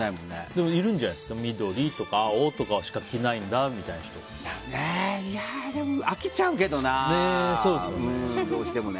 でもいるんじゃないんですか緑、青とかしかいや、でも飽きちゃうけどなどうしてもね。